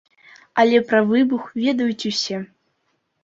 Але пра выбух ведаюць усе.